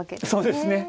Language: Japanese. そうですね。